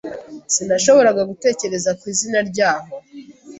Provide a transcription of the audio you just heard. Sinashoboraga gutekereza ku izina ryaho.